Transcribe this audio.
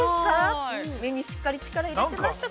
目にしっかり入れてましたか。